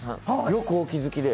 よくお気づきで。